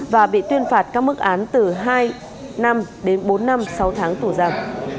và bị tuyên phạt các mức án từ hai năm đến bốn năm sau tháng tù giặc